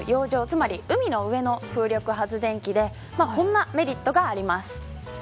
つまり海の上の風力発電機でこんなメリットがあります。